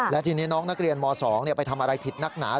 และทีนี้น้องนักเรียนม๒ไปทำอะไรผิดนักหนา